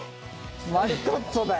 マリトッツォだよ。